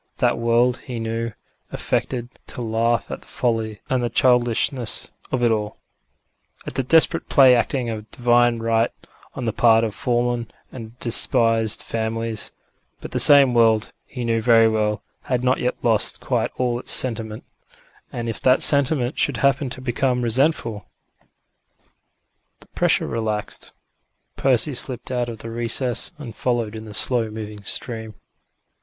That world, he knew, affected to laugh at the folly and the childishness of it all at the desperate play acting of Divine Right on the part of fallen and despised families; but the same world, he knew very well, had not yet lost quite all its sentiment; and if that sentiment should happen to become resentful The pressure relaxed; Percy slipped out of the recess, and followed in the slow moving stream.